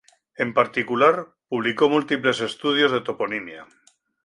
En particular, publicó múltiples estudios de toponimia.